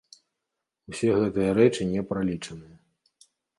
Усе гэтыя рэчы не пралічаныя.